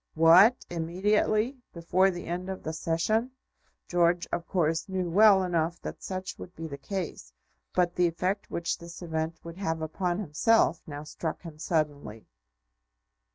"What, immediately; before the end of the Session?" George, of course, knew well enough that such would be the case, but the effect which this event would have upon himself now struck him suddenly.